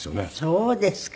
そうですか。